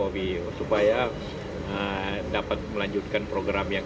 bila jadi seorang seorang seorang